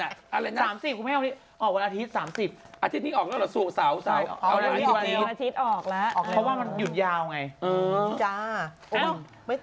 อาหารอาทิตย์ออกแล้วเพราะว่ามันหยุดยาวไง